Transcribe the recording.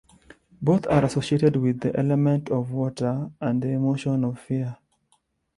Both are associated with the element of water and the emotion of fear.